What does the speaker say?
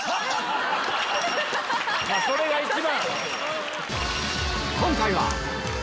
それが一番。